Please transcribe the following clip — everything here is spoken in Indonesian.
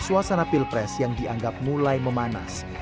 suasana pilpres yang dianggap mulai memanas